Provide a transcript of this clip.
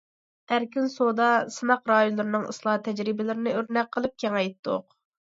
ئەركىن سودا سىناق رايونلىرىنىڭ ئىسلاھات تەجرىبىلىرىنى ئۆرنەك قىلىپ كېڭەيتتۇق.